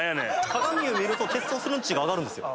鏡を見るとテストステロン値が上がるんですよ。